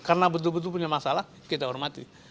karena betul betul punya masalah kita hormati